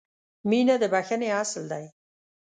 • مینه د بښنې اصل دی.